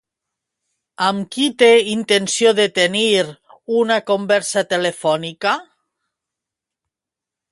Amb qui té intenció de tenir una conversa telefònica?